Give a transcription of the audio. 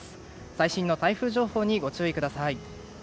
最新の台風情報にご注意ください。